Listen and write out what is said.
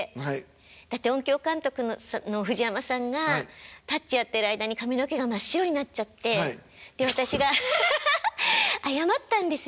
だって音響監督の藤山さんが「タッチ」やってる間に髪の毛が真っ白になっちゃってで私が謝ったんですよ。